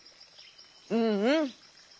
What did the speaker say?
うんうん！